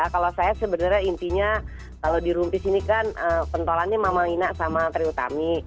kalau saya sebenarnya intinya kalau di rumpi sini kan pentolannya mama lina sama tri utami